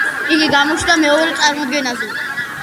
იგი გამოჩნდა მეორე წარმოდგენაზე.